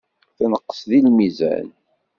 Tenqes deg lmizan.